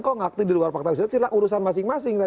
kok ngaktif di luar fakta persidangan silahkan urusan masing masing